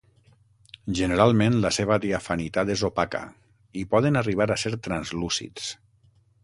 Generalment la seva diafanitat és opaca, i poden arribar a ser translúcids.